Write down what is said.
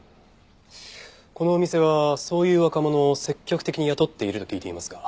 このお店はそういう若者を積極的に雇っていると聞いていますが。